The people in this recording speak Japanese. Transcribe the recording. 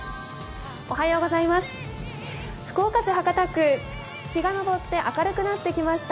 福岡市博多区、日が昇って明るくなってきました。